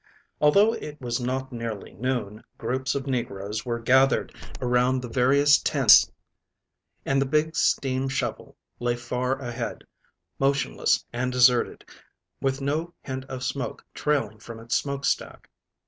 Although it was not nearly noon, groups of negroes were gathered around the various tents, and the big steam shovel lay far ahead, motionless and deserted, with no hint of smoke trailing from its smokestack.